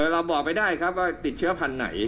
เราบอกไม่ได้ครับว่าติดเชื้อพันธุ์ไหน